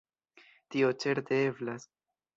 Tio certe eblas.